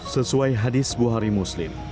sesuai hadis buhari muslim